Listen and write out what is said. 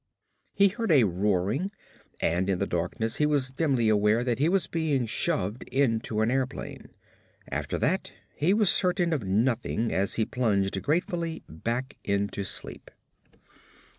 He heard a roaring and in the darkness he was dimly aware that he was being shoved into an airplane. After that he was certain of nothing as he plunged gratefully back into sleep.